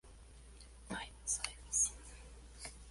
La película se rodó en las Bahamas.